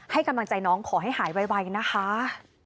ให้กำลังใจน้องขอให้หายไวนะคะ